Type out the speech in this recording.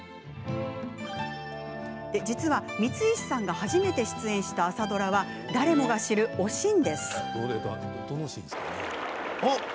実は、光石さんが初めて出演した朝ドラは誰もが知る「おしん」。